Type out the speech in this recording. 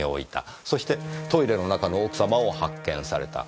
そしてトイレの中の奥様を発見された。